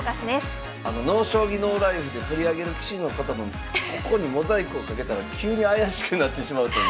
「ＮＯ将棋ＮＯＬＩＦＥ」で取り上げる棋士の方のここにモザイクをかけたら急に怪しくなってしまうという。